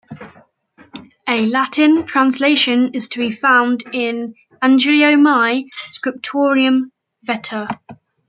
A Latin translation is to be found in Angelo Mai, Scriptorum Veter.